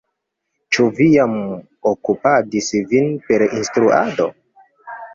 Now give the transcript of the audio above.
Ĉu vi jam okupadis vin per instruado?